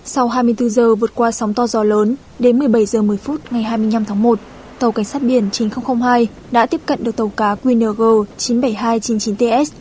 sau hai mươi bốn giờ vượt qua sóng to gió lớn đến một mươi bảy h một mươi phút ngày hai mươi năm tháng một tàu cảnh sát biển chín nghìn hai đã tiếp cận được tàu cá qng chín mươi bảy nghìn hai trăm chín mươi chín ts